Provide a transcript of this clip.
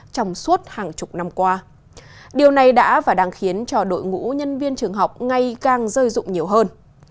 trong suốt hàng chục năm qua điều này đã và đang khiến cho đội ngũ nhân viên trường học ngay càng rơi rụng nhiều hơn